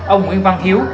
ông nguyễn văn hiếu